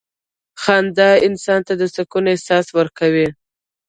• خندا انسان ته د سکون احساس ورکوي.